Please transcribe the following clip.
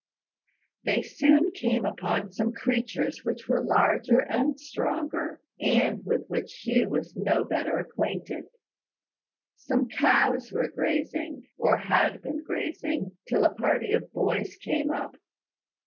They soon came upon some creatures which were larger and stronger, and with which Hugh was no better acquainted. Some cows were grazing, or had been grazing, till a party of boys came up.